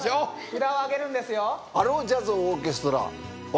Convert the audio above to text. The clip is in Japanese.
札を上げるんですよ